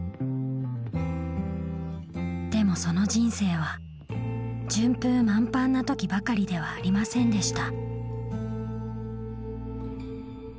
でもその人生は順風満帆なときばかりではありませんでした。